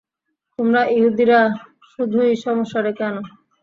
তোমরা ইহুদীরা শুধুই সমস্যা ডেকে আনো।